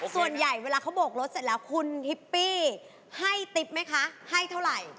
ส่วนใหญ่เวลาเขาโบกรถเสร็จแล้วคุณฮิปปี้ให้ติ๊บไหมคะให้เท่าไหร่